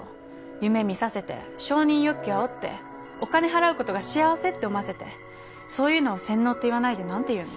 夢見させて承認欲求あおってお金払うことが幸せって思わせてそういうのを洗脳って言わないでなんて言うの？